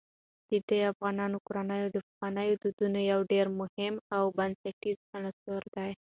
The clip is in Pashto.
دا د افغان کورنیو د پخوانیو دودونو یو ډېر مهم او بنسټیز عنصر دی.